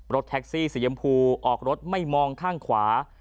รถแท็กซี่สียำพูออกรถไม่มองข้างขวา